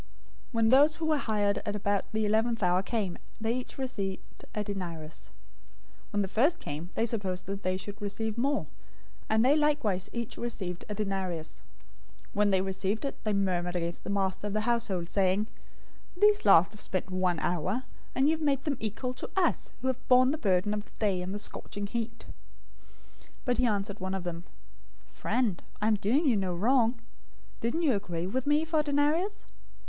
020:009 "When those who were hired at about the eleventh hour came, they each received a denarius. 020:010 When the first came, they supposed that they would receive more; and they likewise each received a denarius. 020:011 When they received it, they murmured against the master of the household, 020:012 saying, 'These last have spent one hour, and you have made them equal to us, who have borne the burden of the day and the scorching heat!' 020:013 "But he answered one of them, 'Friend, I am doing you no wrong. Didn't you agree with me for a denarius?